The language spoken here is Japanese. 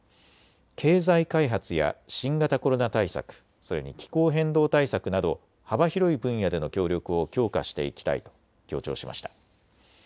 経済開発や新型コロナ対策、それに気候変動対策など幅広い分野での協力を強化していきたいと強調しました。